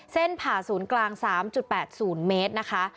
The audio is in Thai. ผ่าศูนย์กลาง๓๘๐เมตรนะคะ